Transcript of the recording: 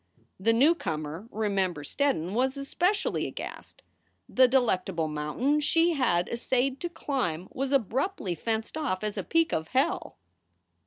The newcomer, Remember Steddon, was especially aghast. The delectable mountain she had essayed to climb was abruptly fenced off as a peak of hell.